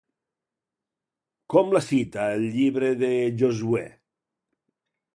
Com la cita el Llibre de Josuè?